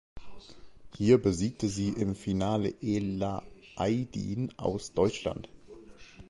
Hier besiegte sie im Finale Ela Aydin aus Deutschland.